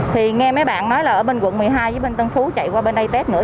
thì nghe mấy bạn nói là ở bên quận một mươi hai với bên tân phú chạy qua bên ate nữa